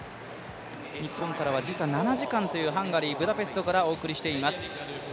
日本から時差７時間というハンガリー・ブダペストからお送りしています。